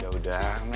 aduh gue lagi pengen